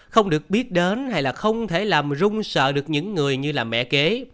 không được biết đến hay là không thể làm rung sợ được những người như là mẹ kế